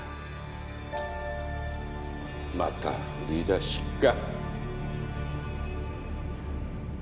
また振り出しか。